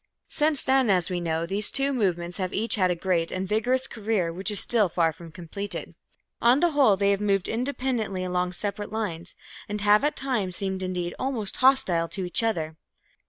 Since then, as we know, these two movements have each had a great and vigorous career which is still far from completed. On the whole they have moved independently along separate lines, and have at times seemed indeed almost hostile to each other.